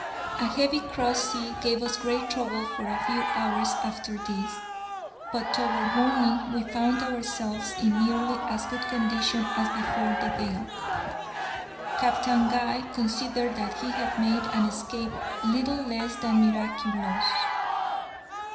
A heavy cross sea gave us great trouble for a few hours after this, but toward morning we found ourselves in nearly as good condition as before the gale. Captain Guy considered that he had made an escape little less than miraculous.